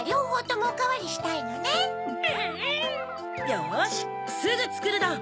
よしすぐつくるどん！